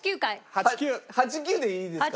８９でいいですか？